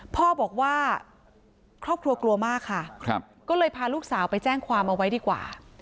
พ่อบอกว่าครอบครัวกลัวมากค่ะก็เลยพาลูกสาวไปแจ้งความเอาไว้ดีกว่า